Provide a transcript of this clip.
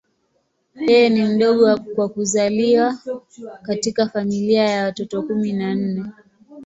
Yeye ni mdogo kwa kuzaliwa katika familia ya watoto kumi na nne.